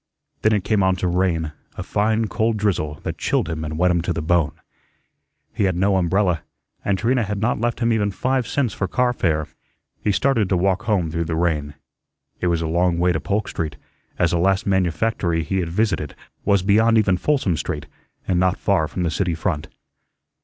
Then it came on to rain, a fine, cold drizzle, that chilled him and wet him to the bone. He had no umbrella, and Trina had not left him even five cents for car fare. He started to walk home through the rain. It was a long way to Polk Street, as the last manufactory he had visited was beyond even Folsom Street, and not far from the city front.